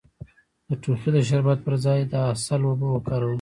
د ټوخي د شربت پر ځای د عسل اوبه وکاروئ